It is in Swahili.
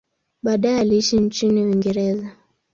Baadaye aliishi nchini Uingereza.